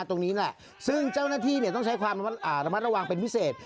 ตรงนี้แหละซึ่งเจ้าหน้าที่ต้องใช้ความระมัดระวังเป็นพิเศษ